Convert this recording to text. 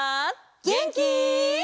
げんき？